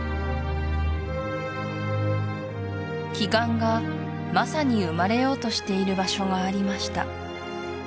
奇岩がまさに生まれようとしている場所がありました